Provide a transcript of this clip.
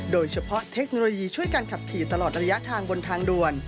เทคโนโลยีช่วยการขับขี่ตลอดระยะทางบนทางด่วน